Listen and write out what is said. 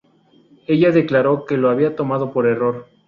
Ella declaró que lo había tomado por error.